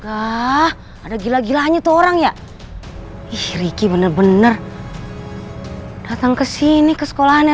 ah ada gila gilaannya tuh orang ya ih riki bener bener datang ke sini ke sekolahannya